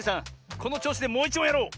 このちょうしでもういちもんやろう！